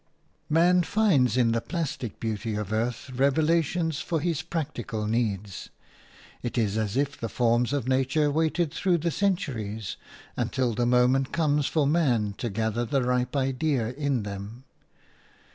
Man finds in the plastic beauty of earth revelations for his practical needs. It is as if the forms of nature waited through the centuries until the moment comes for man to gather the ripe idea in them.